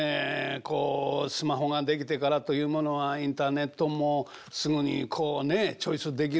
こうスマホが出来てからというものはインターネットもすぐにこうねチョイスできるしという感じでしょ。